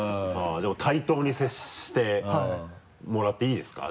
じゃあもう対等に接してもらっていいですか？